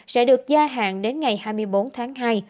sẽ được gia hạn đến ngày hai mươi bốn tháng hai